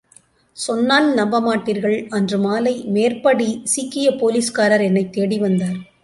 சொன்னால் நம்பமாட்டீர்கள், அன்று மாலை மேற்படி சீக்கியபோலீஸ்காரர் என்னைத் தேடி வந்தார்.